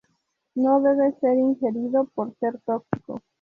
No debe ser ingerido por ser tóxico.